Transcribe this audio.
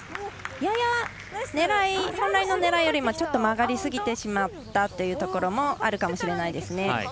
やや、狙い本来の狙いよりもちょっと曲がりすぎてしまったというところもあるかもしれないですね。